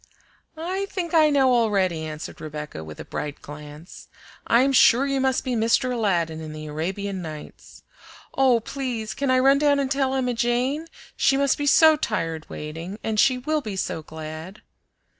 "I think I know already," answered Rebecca, with a bright glance. "I'm sure you must be Mr. Aladdin in the Arabian Nights. Oh, please, can I run down and tell Emma Jane? She must be so tired waiting, and she will be so glad!"